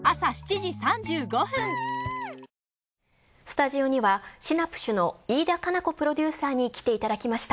スタジオには『シナぷしゅ』の飯田佳奈子プロデューサーに来ていただきました。